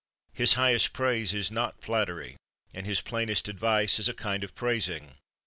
His highest praising is not flattery, and his plainest advice is a kind of praising.